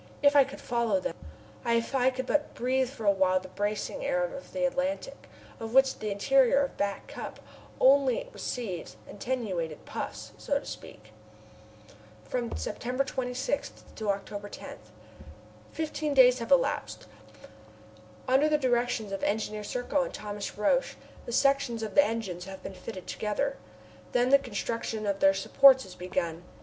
If I could but follow them! If I could but breathe for awhile the bracing air of the Atlantic, of which the interior of Back Cup only receives attenuated puffs, so to speak. From September 26 to October 10. Fifteen days have elapsed. Under the directions of Engineer Serko and Thomas Roch the sections of the engines have been fitted together. Then the construction of their supports is begun.